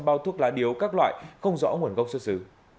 sáu năm trăm linh bao thuốc lá điếu các loại không rõ nguồn gốc xuất xử